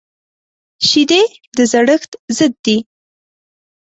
شیدې د زړښت ضد دي